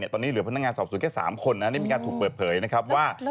ตอนนี้เหลือพนักงานสอบสวนแค่๓คนได้มีการถูกเปิดเผยนะครับว่า